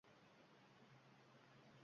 Lekin og‘zinggayam kuching yetmasdimi?